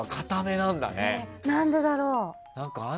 何でだろう？